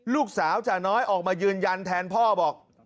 ลูกสาวจ่าน้อยออกมายืนยันแทนพ่อบอก